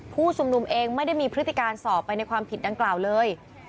ผู้ชุมนุมเองไม่ได้มีพฤติการสอบไปในความผิดดังกล่าวเลย